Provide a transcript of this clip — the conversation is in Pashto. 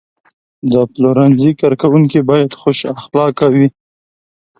د پلورنځي کارکوونکي باید خوش اخلاقه وي.